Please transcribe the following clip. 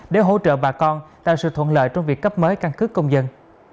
để hỗ trợ bà con tạo sự thuận lợi trong việc cấp mới căn cước công dân